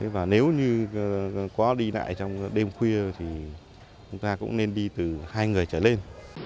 và nếu như có đi lại trong đêm khuya thì chúng ta cũng nên đi từ hai người trở lên